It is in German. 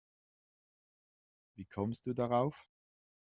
Wie kommst du darauf?